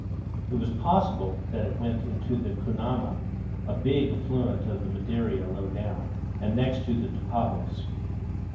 It was possible that it went into the Canuma, a big affluent of the Madeira low down, and next to the Tapajos.